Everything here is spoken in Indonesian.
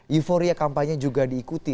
euphoria kampanye juga diikuti